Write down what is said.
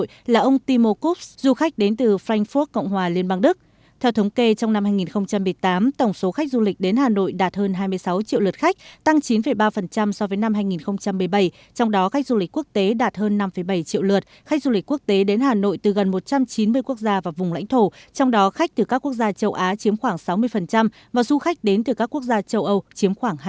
trong đó khách từ các quốc gia châu á chiếm khoảng sáu mươi và du khách đến từ các quốc gia châu âu chiếm khoảng hai mươi bốn